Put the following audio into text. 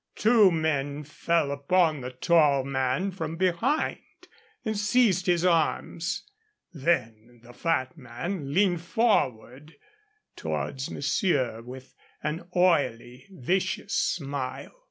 Two men fell upon the tall man from behind and seized his arms. Then the fat man leaned forward towards monsieur, with an oily, vicious smile.